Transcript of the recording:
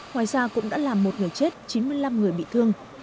ngoài ra cũng đã làm một người chết chín mươi năm người bị thương